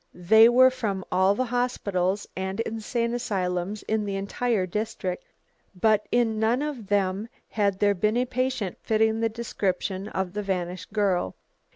They were from all the hospitals and insane asylums in the entire district. But in none of them had there been a patient fitting the description of the vanished girl.